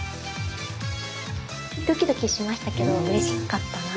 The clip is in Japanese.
ドキドキしましたけどうれしかったな。